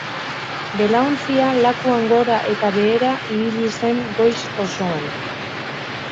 Belaontzia lakuan gora eta behera ibili zen goiz osoan.